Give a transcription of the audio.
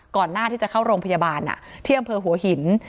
หน้าที่จะเข้าโรงพยาบาลที่อำเภอหัวหิน